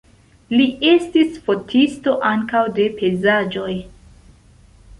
Li estis fotisto ankaŭ de pejzaĝoj.